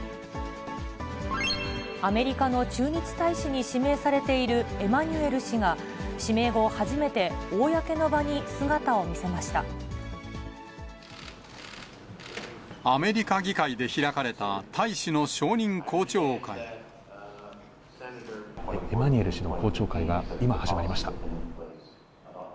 アメリカの駐日大使に指名されているエマニュエル氏が、指名後初めて、アメリカ議会で開かれた大使エマニュエル氏の公聴会が今、始まりました。